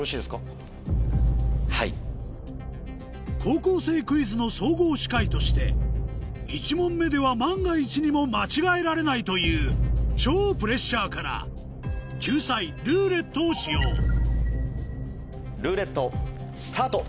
『高校生クイズ』の総合司会として１問目では万が一にも間違えられないという超プレッシャーから救済「ルーレット」を使用ルーレットスタート！